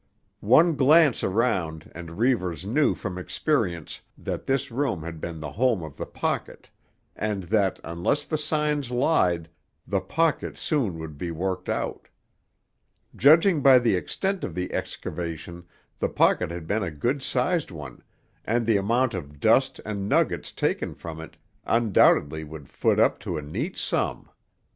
One glance around and Reivers knew from experience that this room had been the home of the pocket, and that, unless the signs lied, the pocket soon would be worked out. Judging by the extent of the excavation the pocket had been a good sized one, and the amount of dust and nuggets taken from it undoubtedly would foot up to a neat sum.